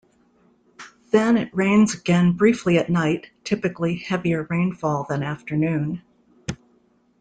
Then it rains again briefly at night, typically heavier rainfall than afternoon.